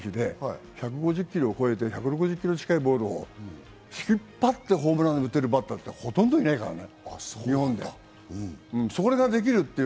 今の選手って１５０キロを超えて１６０キロ近いボールを引っ張ってホームランを打てるバッターってほとんどいないからね。